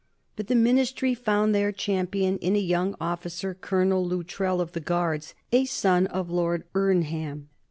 But the Ministry found their champion in a young officer, Colonel Luttrell, of the Guards, a son of Lord Irnham.